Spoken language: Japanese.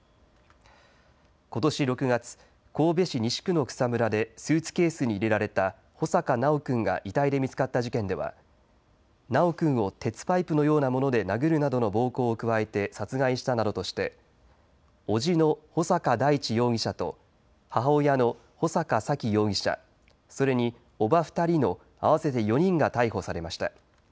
ことし６月、神戸市西区の草むらでスーツケースに入れられた穂坂修君が遺体で見つかった事件では修君を鉄パイプのようなもので殴るなどの暴行を加えて殺害したなどとして叔父の穂坂大地容疑者と母親の穂坂沙喜容疑者、それに叔母２人の合わせて４人が逮捕されました。